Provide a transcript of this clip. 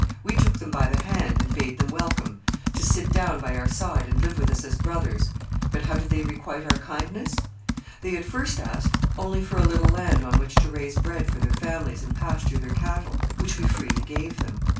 We took them by the hand and bade them welcome, to sit down by our side and live with us as brothers; but how did they requite our kindness? They at first asked only for a little land on which to raise bread for their families and pasture their cattle, which we freely gave them.